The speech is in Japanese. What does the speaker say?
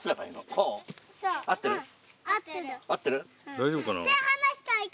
大丈夫かな。